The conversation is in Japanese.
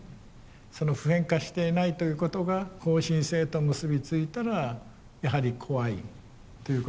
その普遍化していないということが後進性と結び付いたらやはり怖いということですね。